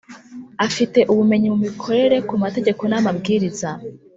Afite ubumenyi mu mikorere ku mategeko n’amabwiriza